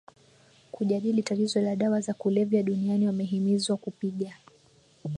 kujadili tatizo la dawa za kulevya duniani wamehimizwa kupiga